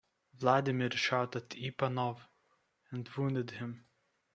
Vladimir shot at Ipanov and wounded him.